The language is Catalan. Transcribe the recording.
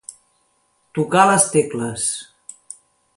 Tocar les tecles.